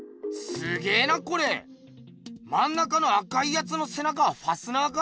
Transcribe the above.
まん中の赤いやつのせ中ファスナーか？